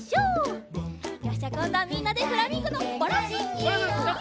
よしじゃあこんどはみんなでフラミンゴのバランス！